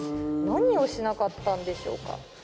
何をしなかったんでしょうか？